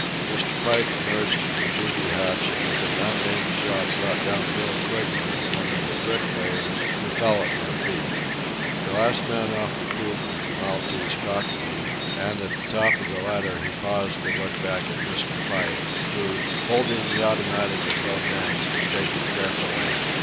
Mr. Pike emerged from the booby hatch and with an unaimed shot brought down Bill Quigley, one of the "bricklayers," who fell at my feet. The last man off the poop was the Maltese Cockney, and at the top of the ladder he paused to look back at Mr. Pike, who, holding the automatic in both hands, was taking careful aim.